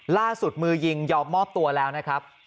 ล่าสุดมือยิงยอมมอบตัวแล้วนะครับ